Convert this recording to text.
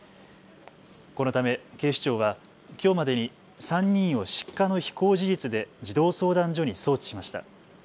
このため警視庁は、きょうまでに３人を失火の非行事実で児童相談所に送致しました。